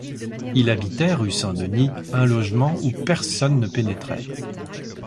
Il habitait, rue Saint-Denis, un logement où personne ne pénétrait.